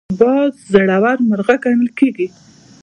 باز زړور مرغه ګڼل کېږي